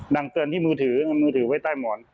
ดังเกินที่มือถือมือถือไว้ใต้หมอน